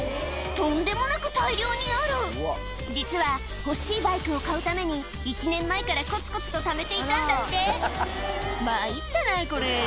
とんでもなく大量にある実は欲しいバイクを買うために１年前からコツコツとためていたんだって「参ったなこれ」